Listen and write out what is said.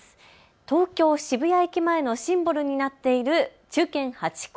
東京渋谷駅前のシンボルになっている忠犬ハチ公。